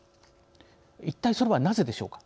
一体それはなぜでしょうか。